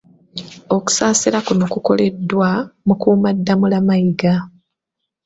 Okusaasira kuno kukoleddwa Mukuumaddamula Mayiga .